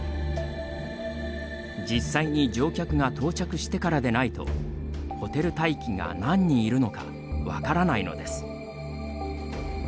実際に乗客が到着してからでないとホテル待機が何人いるのか分からないのです。